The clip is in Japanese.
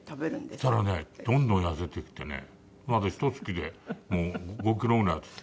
そしたらねどんどん痩せてきてねまだひと月でもう５キロぐらいですよ。